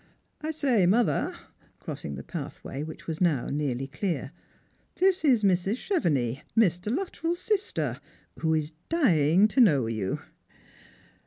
I say, mother," crossing the path way, which was now nearly clear, " this is Mrs. Chevenix, Mr. Luttrell's sister, who is dying to know you."